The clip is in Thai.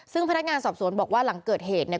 ซึ่งพนักงานสอบสวนบอกว่าหลังเกิดเหตุเนี่ย